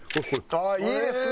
ああいいですね！